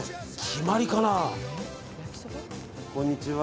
決まりかな。